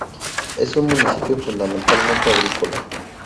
Es un municipio fundamentalmente agrícola.